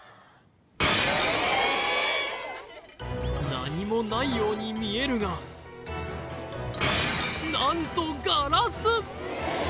何もないように見えるがなんとガラス！